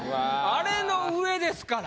あれの上ですから。